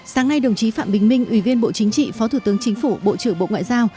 sáng nay đồng chí phạm bình minh ủy viên bộ chính trị phó thủ tướng chính phủ bộ trưởng bộ ngoại giao